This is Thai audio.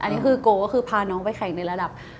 อันนี้คือโกก็คือพาน้องไปแข่งในระดับ